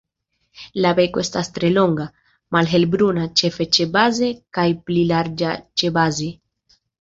La beko estas tre longa, malhelbruna -ĉefe ĉebaze- kaj pli larĝa ĉebaze.